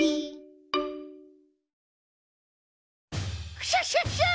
クシャシャシャ！